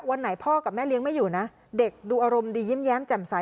วันไหนพ่อกับแม่เลี้ยงไม่อยู่นะเด็กดูอารมณ์ดียิ้มแย้มแจ่มใส